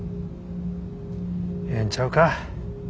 ええんちゃうか？